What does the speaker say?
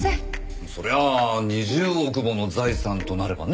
そりゃあ２０億もの財産となればね。